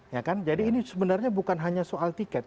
ya kan jadi ini sebenarnya bukan hanya soal tiket